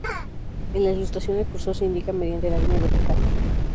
En la ilustración, el cursor se indica mediante la línea vertical.